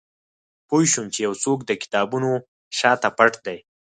پوه شوم چې یو څوک د کتابونو شاته پټ دی